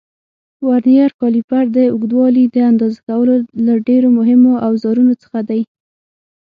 ورنیر کالیپر د اوږدوالي د اندازه کولو له ډېرو مهمو اوزارونو څخه دی.